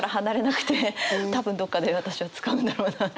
多分どこかで私は使うのだろうなと。